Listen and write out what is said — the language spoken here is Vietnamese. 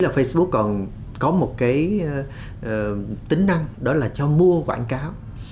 facebook còn có một cái tính năng đó là cho mua quảng cáo